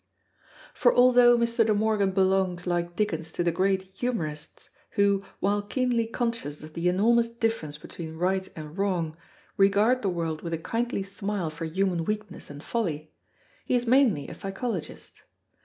For although Mr. De Morgan belongs, like Dickens, to the great humorists, who, while keenly conscious of the enormous difference between right and wrong, regard the world with a kindly smile for human weakness and folly, he is mainly a psychologist.